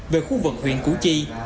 về khu vực huyện củ chi